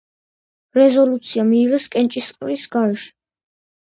რეზოლუცია მიიღეს კენჭისყრის გარეშე.